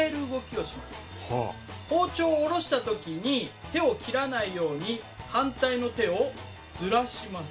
包丁を下ろした時に手を切らないように反対の手をずらします。